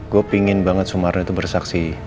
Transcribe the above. gue pingin banget sumarno itu bersaksi